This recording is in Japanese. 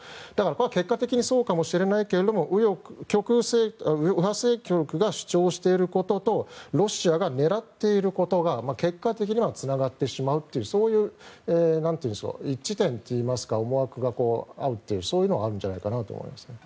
結果的にそうかもしれないが右派政党が主張していることとロシアが狙っていることが結果的にはつながってしまうということが一致点といいますか思惑があるというのがあるんじゃないかなと思います。